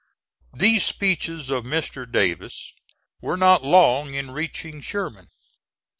These speeches of Mr. Davis were not long in reaching Sherman.